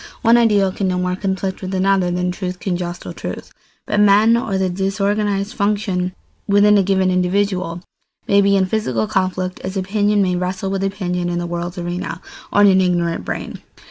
One ideal can no more conflict with another than truth can jostle truth; but men, or the disorganised functions within a given individual, may be in physical conflict, as opinion may wrestle with opinion in the world's arena or in an ignorant brain.